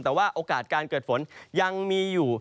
แต่ว่าโอกาสการเกิดฝนยังมีอยู่